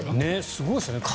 すごいですね。